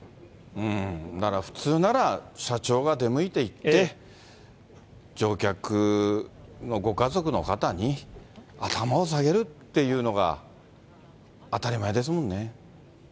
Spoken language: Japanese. だから普通なら、社長が出向いていって、乗客のご家族の方に頭を下げるっていうのが、当たり前ですもんね。